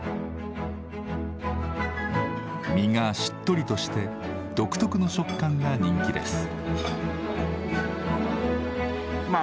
身がしっとりとして独特の食感が人気です。